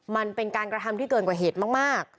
มันเป็นการกระทำที่เกินกว่าเหตุมาก